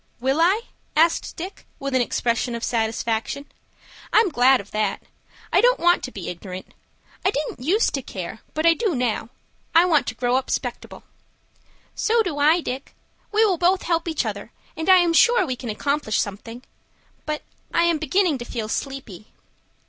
"Will I?" asked Dick with an expression of satisfaction. "I'm glad of that. I don't want to be ignorant. I didn't use to care, but I do now. I want to grow up 'spectable." "So do I, Dick. We will both help each other, and I am sure we can accomplish something. But I am beginning to feel sleepy."